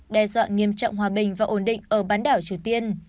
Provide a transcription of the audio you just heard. đe dọa nghiêm trọng hòa bình và ổn định ở bán đảo triều tiên